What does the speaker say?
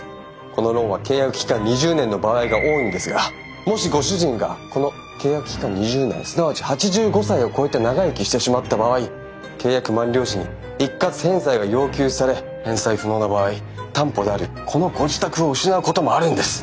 このローンは契約期間２０年の場合が多いんですがもしご主人がこの契約期間２０年すなわち８５歳を超えて長生きしてしまった場合契約満了時に一括返済が要求され返済不能な場合担保であるこのご自宅を失うこともあるんです。